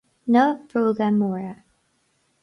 Na bróga móra